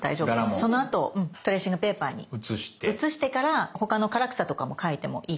そのあとトレーシングペーパーに写してから他の唐草とかも描いてもいいかと思います。